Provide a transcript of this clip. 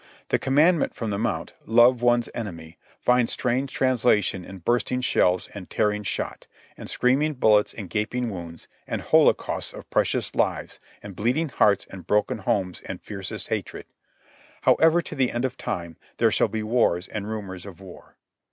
The commandment from the Mount, ''love one's enemy," finds strange translation in bursting shells and tearing shot, and screaming bullets and gaping wounds, and holocausts of precious lives, and bleeding hearts, and broken homes and fiercest hatred. However, to the end of time "there shall be wars and rumors of war